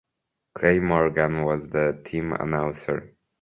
Clay Morgan was the team announcer.